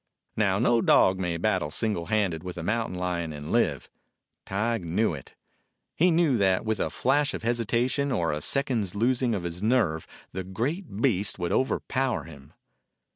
Now, no dog may battle single handed with a mountain lion and live. Tige knew it. He knew that with a flash of hesitation or a sec ond's losing of his nerve the great beast would overpower him.